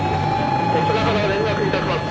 「こちらから連絡致します。